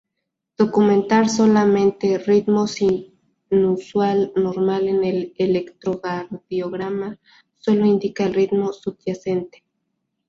Documentar solamente "ritmo sinusal normal en el electrocardiograma" solo indica el ritmo subyacente.